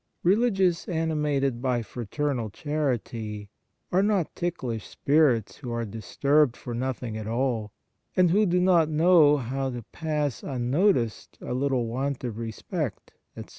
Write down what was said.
Religious animated by fraternal charity are not ticklish spirits who are disturbed for nothing at all, and who do not know how to pass unnoticed a little want of respect, etc.